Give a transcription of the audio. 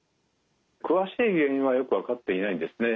詳しい原因はよく分かっていないんですね。